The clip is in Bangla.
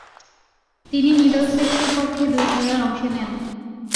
তিনি মিডলসেক্সের পক্ষে দুই খেলায় অংশ নেন।